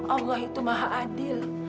allah itu maha adil